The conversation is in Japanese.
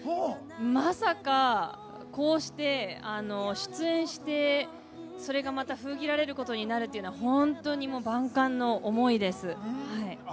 まさか、こうして出演して、それがまた封切られるということは、本当にもう万感の思いです。